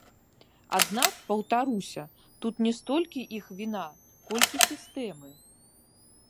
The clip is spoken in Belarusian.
Аднак, паўтаруся, тут не столькі іх віна, колькі сістэмы.